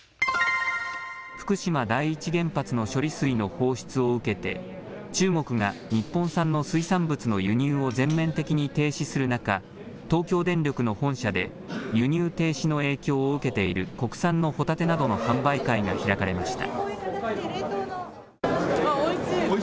福島第一原発の処理水の放出を受けて中国が日本産の水産物の輸入を全面的に停止する中、東京電力の本社で輸入停止の影響を受けている国産のホタテなどの販売会が開かれました。